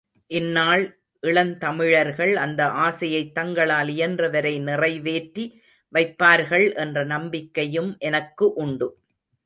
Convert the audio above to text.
இந்நாள் இளந்தமிழர்கள் அந்த ஆசையைத் தங்களால் இயன்ற வரை நிறைவேற்றி வைப்பார்கள் என்ற நம்பிக்கையும் எனக்கு உண்டு.